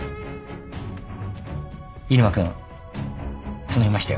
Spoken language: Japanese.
入間君頼みましたよ。